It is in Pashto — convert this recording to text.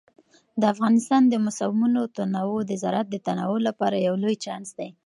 د افغانستان د موسمونو تنوع د زراعت د تنوع لپاره یو لوی چانس دی.